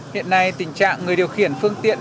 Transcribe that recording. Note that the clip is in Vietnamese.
hiện nay tình trạng người điều khiển phương tiện